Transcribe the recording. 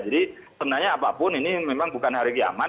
jadi sebenarnya apapun ini memang bukan hari kiamat